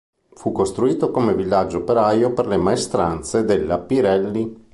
Fu costruito come villaggio operaio per le maestranze della Pirelli.